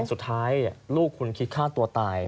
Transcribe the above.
สุดท้ายลูกคุณคิดฆ่าตัวตาย